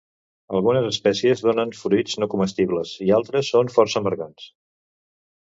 Algunes espècies donen fruits no comestibles i altres són força amargants.